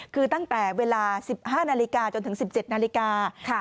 คือตั้งแต่เวลา๑๕นาฬิกาจนถึง๑๗นาฬิกา